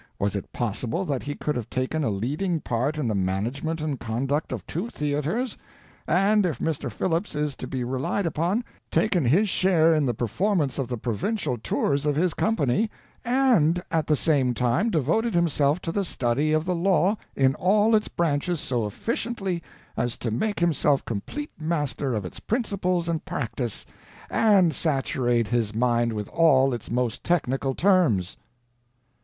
was it possible that he could have taken a leading part in the management and conduct of two theaters, and if Mr. Phillipps is to be relied upon, taken his share in the performances of the provincial tours of his company—and at the same time devoted himself to the study of the law in all its branches so efficiently as to make himself complete master of its principles and practice, and saturate his mind with all its most technical terms?"